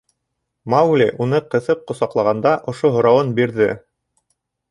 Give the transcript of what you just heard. — Маугли уны ҡыҫып ҡосаҡлағанда ошо һорауын бирҙе.